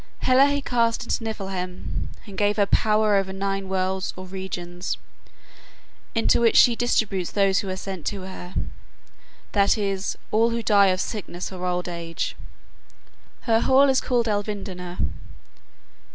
Hela he cast into Niffleheim, and gave her power over nine worlds or regions, into which she distributes those who are sent to her; that is, all who die of sickness or old age. Her hall is called Elvidner.